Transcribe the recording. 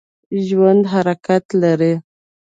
ژوندي حرکت لري